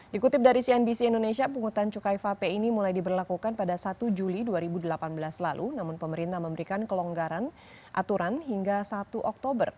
dikutip dari cnbc indonesia pungutan cukai vape ini mulai diberlakukan pada satu juli dua ribu delapan belas lalu namun pemerintah memberikan kelonggaran aturan hingga satu oktober